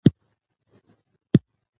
تنوع د افغان تاریخ په کتابونو کې ذکر شوی دي.